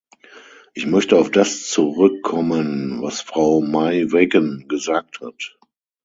Ich möchte auf das zurückkommen, was Frau Maij-Weggen gesagt hat.